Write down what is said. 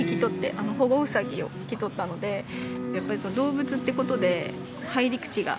あの保護ウサギを引き取ったのでやっぱりその動物ってことで入り口が。